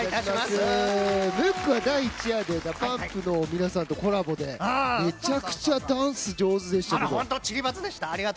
ムックは第１夜でＤＡＰＵＭＰの皆さんとコラボでめちゃくちゃダンス上手でした。